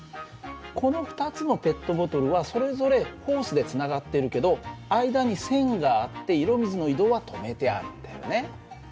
この２つのペットボトルはそれぞれホースでつながっているけど間に栓があって色水の移動は止めてあるんだよね。